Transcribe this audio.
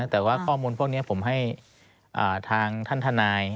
แต่ว่าข้อมูลพวกนี้ผมให้ทางท่านทนาย